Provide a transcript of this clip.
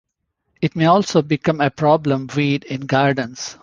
It may also become a problem weed in gardens.